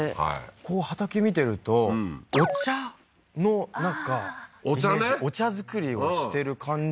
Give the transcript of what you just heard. こう畑見てるとお茶のなんかイメージお茶ねお茶作りをしてる感じ